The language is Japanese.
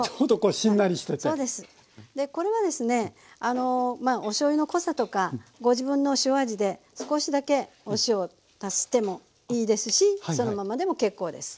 でこれはですねおしょうゆの濃さとかご自分の塩味で少しだけお塩を足してもいいですしそのままでも結構です。